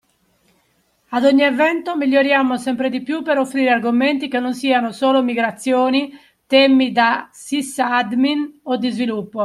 Ad ogni evento miglioriamo sempre di più per offrire argomenti che non siano solo migrazioni, temi da sysadmin o di sviluppo.